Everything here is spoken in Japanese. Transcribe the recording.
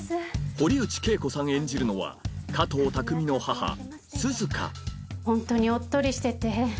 堀内敬子さん演じるのはホントにおっとりしてて。